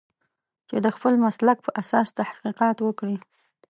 چې د خپل مسلک په اساس تحقیقات وکړي.